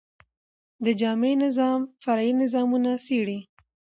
د جامع نظام، فرعي نظامونه څيړي.